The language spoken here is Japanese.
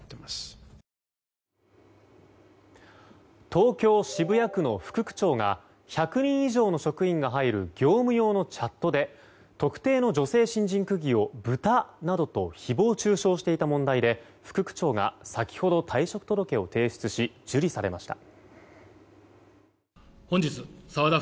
東京・渋谷区の副区長が１００人以上の職員が入る業務用のチャットで特定の女性新人区議をブタなどと誹謗中傷していた問題で副区長が先ほど退職届を提出し受理されました。